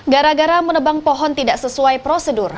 gara gara menebang pohon tidak sesuai prosedur